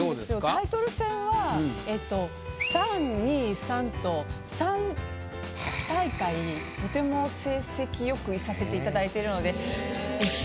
タイトル戦はええっと３２３と３大会とても成績良くいさせていただいてるので。